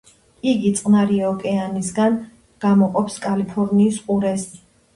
იგი წყნარი ოკეანისგან გამოყოფს კალიფორნიის ყურეს.